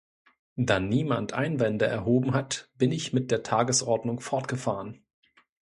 Da niemand Einwände erhoben hat, bin ich mit der Tagesordnung fortgefahren.